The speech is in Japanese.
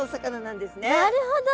なるほど。